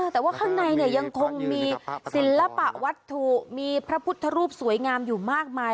แต่ว่าข้างในยังคงมีศิลปะวัตถุมีพระพุทธรูปสวยงามอยู่มากมาย